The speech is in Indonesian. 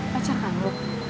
pacar kan lu